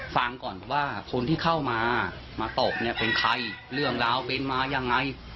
ฟังก่อนว่าคนที่เข้ามามาตบเนี่ยเป็นใครเรื่องราวเป็นมายังไง